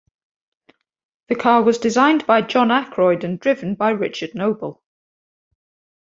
The car was designed by John Ackroyd and driven by Richard Noble.